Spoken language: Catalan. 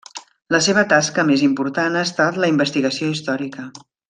La seva tasca més important ha estat la investigació històrica.